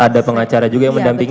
ada pengacara juga yang mendampingi